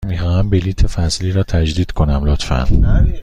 می خواهم بلیط فصلی را تجدید کنم، لطفاً.